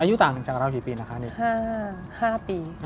อายุต่างจากเราสี่ปีนะคะห้าปี